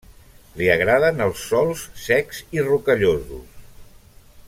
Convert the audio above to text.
Li agraden els sòls secs i rocallosos.